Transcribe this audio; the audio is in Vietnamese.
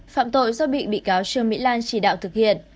phạm tội do bị bị cáo trương mỹ lan chỉ đạo thực hiện